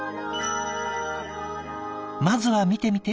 まずは見てみて！